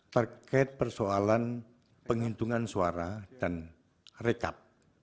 terkait persoalan penghitungan suara dan rekap